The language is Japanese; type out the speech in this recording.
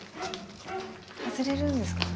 外れるんですか？